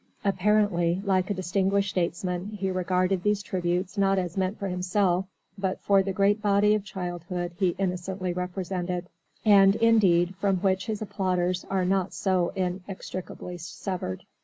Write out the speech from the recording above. Apparently, like a distinguished statesman, he regarded these tributes not as meant for himself, but for the great body of childhood he innocently represents, and indeed from which his applauders are not so inextricably severed.